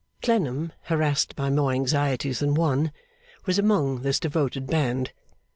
Clennam, harassed by more anxieties than one, was among this devoted band.